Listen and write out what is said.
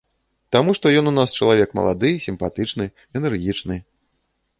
Таму што ён у нас чалавек малады, сімпатычны, энергічны.